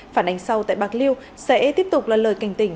phản ánh sau tại bạc liêu sẽ tiếp tục là lời cảnh tỉnh